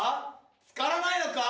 つからないのか？